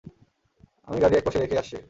আমি গাড়ি একপাশে রেখে আসছি।